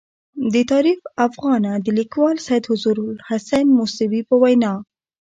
د تاریخ افاغنه د لیکوال سید ظهور الحسین موسوي په وینا.